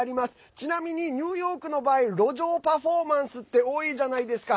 ちなみに、ニューヨークの場合路上パフォーマンスって多いじゃないですか。